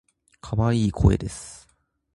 可愛い声です。